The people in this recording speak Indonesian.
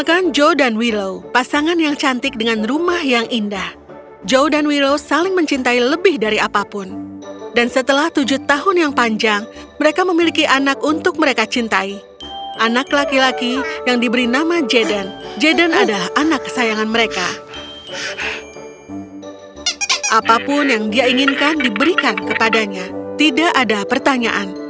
apapun yang dia inginkan diberikan kepadanya tidak ada pertanyaan